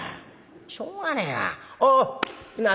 しょうがねえな。